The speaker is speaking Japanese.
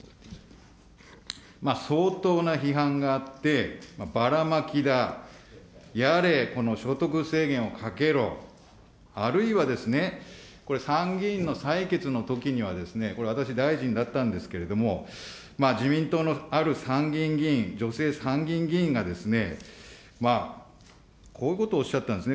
相当な批判があって、バラマキだ、やれ、この所得制限をかけろ、あるいは、これ、参議院の採決のときには、これ私、大臣だったんですけれども、自民党のある参議院議員、女性参議院議員が、こういうことをおっしゃったんですね。